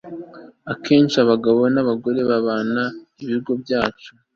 Akenshi abagabo nabagore bagana ibigo byacu